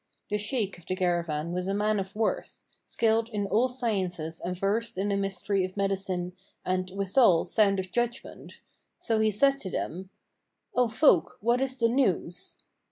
The Shaykh of the caravan was a man of worth, skilled in all sciences and versed in the mystery of medicine and, withal, sound of judgment: so he said to them, "O folk, what is the news?"